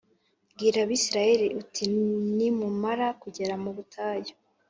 Bwira Abisirayeli uti Nimumara kugera mu butayu